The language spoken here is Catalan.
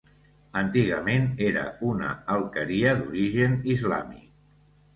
Antigament era una alqueria d’origen islàmic.